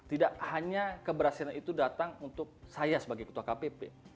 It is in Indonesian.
tidak hanya keberhasilan itu datang untuk saya sebagai ketua kpp